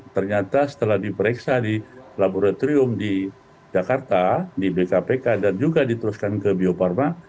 ternyata setelah diperiksa di laboratorium di jakarta di bkpk dan juga diteruskan ke bio farma